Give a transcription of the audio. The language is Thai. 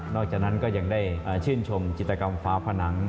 จากนั้นก็ยังได้ชื่นชมจิตกรรมฟ้าผนัง